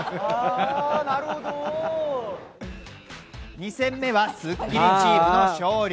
２戦目はスッキリチームの勝利。